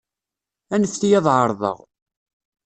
Anfet-iyi ad εerḍeɣ.